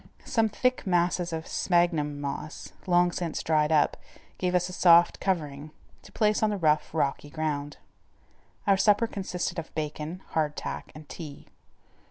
Some thick masses of sphagnum moss, long since dried up, gave us a soft covering, to place on the rough, rocky ground. Our supper consisted of bacon, hard tack, and tea.